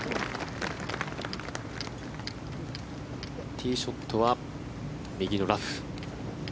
ティーショットは右のラフ。